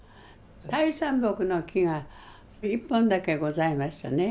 タイサンボクの木が１本だけございましたね。